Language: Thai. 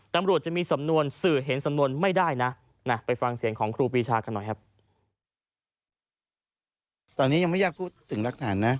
ตำรวจจะมีสำนวนสื่อเห็นสำนวนไม่ได้นะ